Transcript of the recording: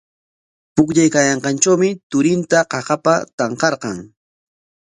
Pukllaykaayanqantrawmi turinta qaqapa tanqarqan.